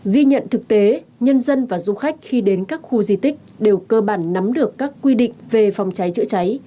ghi nhận thực tế nhân dân và du khách khi đến các khu di tích đều cơ bản nắm được các quy định về phòng cháy chữa cháy